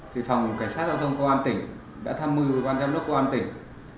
thì phòng cảnh sát giao thông công an tỉnh đã thăm mưu quan giám đốc công an tỉnh